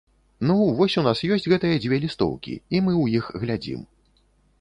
Ну, вось у нас ёсць гэтыя дзве лістоўкі, і мы ў іх глядзім.